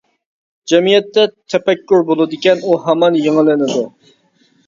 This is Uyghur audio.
جەمئىيەتتە تەپەككۇر بولدىكەن، ئۇ ھامان يېڭىلىنىدۇ.